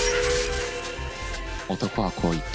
男はこう言った。